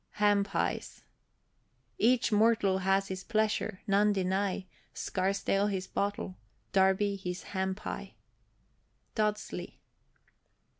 HAM PIES. Each mortal has his pleasure; none deny Scarsdale his bottle, Darby his ham pie. DODSLEY.